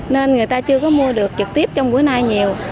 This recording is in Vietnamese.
nên người ta chưa có mua được trực tiếp trong bữa nay nhiều